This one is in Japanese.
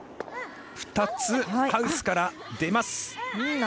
２つハウスから出ます。